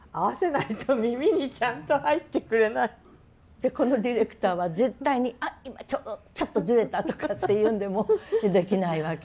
でこのディレクターは絶対に「あっ今ちょっとずれた」とかって言うんでもうできないわけね。